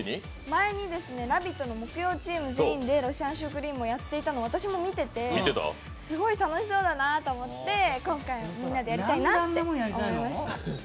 前に「ラヴィット！」の木曜チーム全員でロシアンシュークリームをやっていたのを私も見ていて、すごい楽しそうだなと思って今回、みんなでやりたいなって思いました。